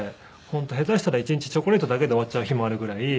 本当下手したら１日チョコレートだけで終わっちゃう日もあるぐらい。